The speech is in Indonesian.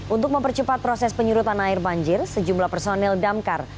untuk mempercepat proses penyurutan air banjir sejumlah personil damkar